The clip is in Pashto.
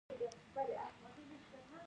د زیتون پاڼې د فشار لپاره دي.